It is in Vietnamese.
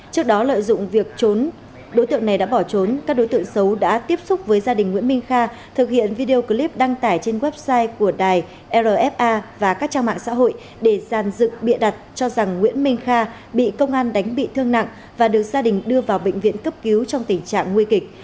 trước đó lợi dụng việc đối tượng này đã bỏ trốn các đối tượng xấu đã tiếp xúc với gia đình nguyễn minh kha thực hiện video clip đăng tải trên website của đài rfa và các trang mạng xã hội để giàn dựng bịa đặt cho rằng nguyễn minh kha bị công an đánh bị thương nặng và được gia đình đưa vào bệnh viện cấp cứu trong tình trạng nguy kịch